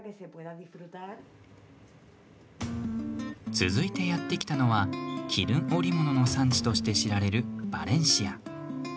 続いてやって来たのは絹織物の産地として知られるバレンシア。